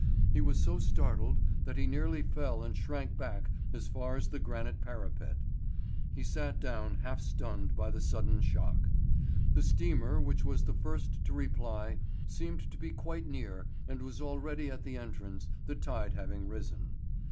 He was so startled that he nearly fell and shrank back as far as the granite parapet. He sat down half stunned by the sudden shock. The steamer which was the first to reply seemed to be quite near and was already at the entrance, the tide having risen.